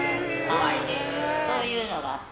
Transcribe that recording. そういうのがあって。